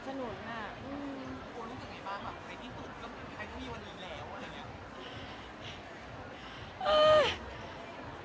ปูรู้สึกไงบ้างในที่สุดแล้วมีใครที่มีวันนี้แล้ว